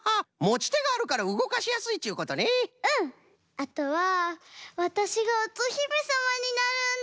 あとはわたしがおとひめさまになるんだ！